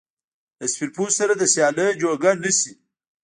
له سپین پوستو سره د سیالۍ جوګه نه شي.